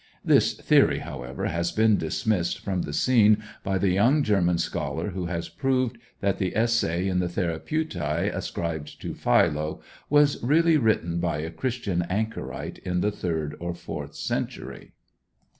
This theory, however, has been dismissed from the scene by the young German scholar, who has proved that the essay on the Therapeutæ ascribed to Philo was really written by a Christian anchorite in the third or fourth century.